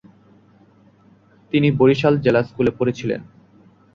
তিনি বরিশাল জেলা স্কুলে পড়েছিলেন।